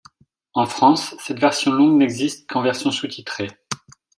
En France, cette version longue n'existe qu'en version sous-titrée.